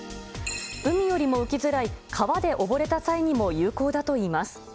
海よりも浮きづらい川で溺れた際にも有効だといいます。